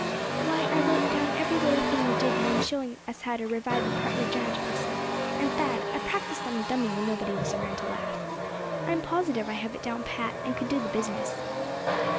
"Why, I wrote down every little thing you did when showing us how to revive a partly drowned person; and Thad, I practiced on a dummy when nobody was around to laugh. I'm positive I have it down pat, and could do the business."